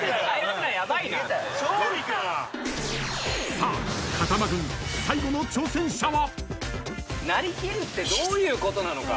［さあ風間軍最後の挑戦者は？］